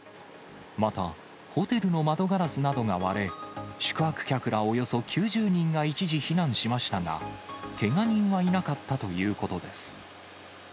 またホテルの窓ガラスなどが割れ、宿泊客らおよそ９０人が一時、避難しましたが、けが人はいなかったということです。